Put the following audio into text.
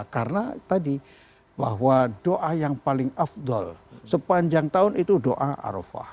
karena tadi bahwa doa yang paling afdol sepanjang tahun itu doa arafah